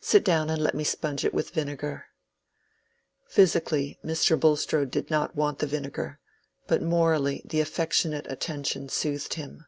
"Sit down and let me sponge it with vinegar." Physically Mr. Bulstrode did not want the vinegar, but morally the affectionate attention soothed him.